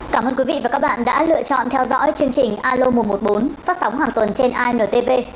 cảm ơn quý vị và các bạn đã lựa chọn theo dõi chương trình alo một trăm một mươi bốn phát sóng hàng tuần trên intv